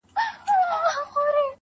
دې راوړي دې تر گور باڼه~